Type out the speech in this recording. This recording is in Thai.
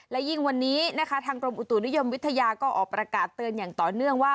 และยิ่งวันนี้นะคะทางกรมอุตุนิยมวิทยาก็ออกประกาศเตือนอย่างต่อเนื่องว่า